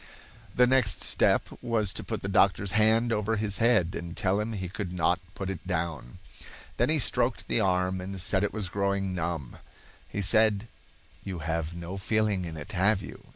The next step was to put the doctor's hand over his head, and tell him he could not put it down. Then he stroked the arm and said it was growing numb. He said: "You have no feeling in it, have you?"